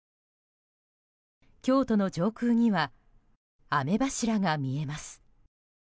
京都の上空には雨柱が見えます。